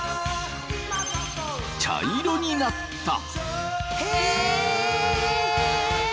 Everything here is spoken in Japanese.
茶色になった！